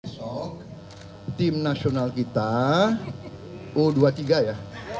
so tim nasional kita u dua puluh tiga ya